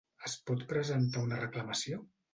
Es pot presentar una reclamació?